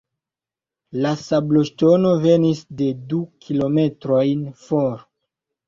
La sabloŝtono venis de du kilometrojn for.